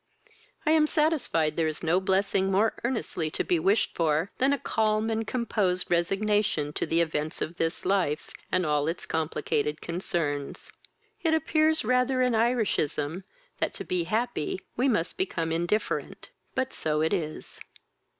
I am satisfied there is no blessing more earnestly to be wished for than a calm and composed resignation to the events of this life, and all its complicated concerns. It appears rather an Irishism, that to be happy we must become indifferent, but so it is.